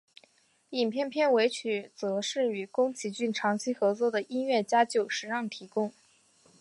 影片片尾曲则是与宫崎骏长期合作的音乐家久石让提供。